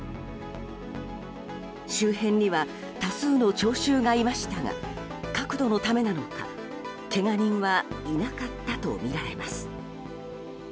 周辺には多数の聴衆がいましたが角度のためなのか、けが人はいなかったとみられます。